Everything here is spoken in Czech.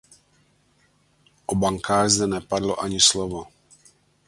O bankách zde nepadlo ani slovo.